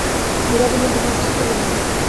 মীরা বললেন, তুমি অফিসে চলে যাও।